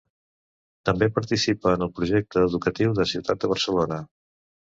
També participa en el Projecte educatiu de ciutat de Barcelona.